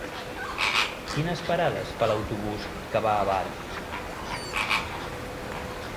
Quines parades fa l'autobús que va a Barx?